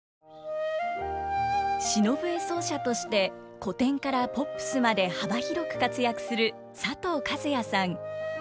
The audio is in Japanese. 篠笛奏者として古典からポップスまで幅広く活躍する佐藤和哉さん。